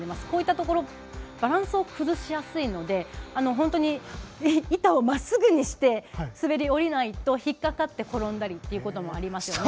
こういったところバランスを崩しやすいので本当に板をまっすぐにして滑り終えないと引っかかって転んだりもあります。